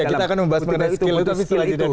kita akan membahas mengenai skill itu tapi setelah itu